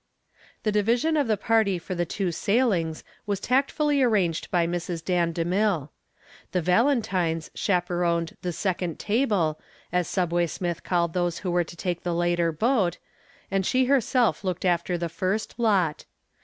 The division of the party for the two sailings was tactfully arranged by Mrs. Dan DeMille. The Valentines chaperoned the "second table" as "Subway" Smith called those who were to take the later boat, and she herself looked after the first lot.